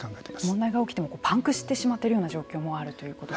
問題が起きてパンクしてしまっているような状況もあると。